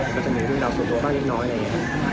ก็จะมีลูกดาวสัตว์ตัวบ้างนิดน้อยอะไรอย่างนี้